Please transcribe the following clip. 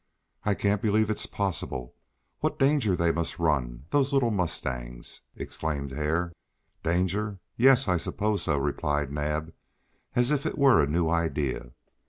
"I can't believe it possible. What danger they must run those little mustangs!" exclaimed Hare. "Danger? Yes, I suppose so," replied Naab, as if it were a new idea.